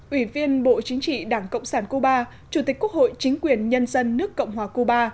ủy viên bộ chính trị đảng cộng sản cuba chủ tịch quốc hội chính quyền nhân dân nước cộng hòa cuba